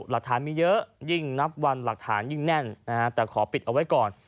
หลักฐานมีเยอะยิ่งนับวันหลักฐานยิ่งแน่นแต่ขอปิดเอาไว้ก่อน